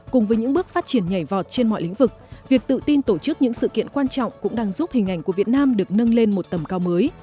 cùng với những bước phát triển nhảy vọt trên mọi lĩnh vực việc tự tin tổ chức những sự kiện quan trọng cũng đang giúp hình ảnh của việt nam được nâng lên một tầm cao mới